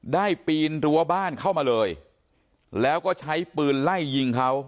ปีนรั้วบ้านเข้ามาเลยแล้วก็ใช้ปืนไล่ยิงเขา